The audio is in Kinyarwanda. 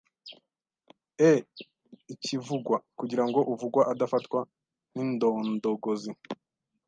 e Ikivugwa: kugira ngo uvuga adafatwa nk’indondogozi